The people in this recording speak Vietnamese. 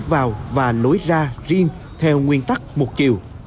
nói vào và nói ra riêng theo nguyên tắc một chiều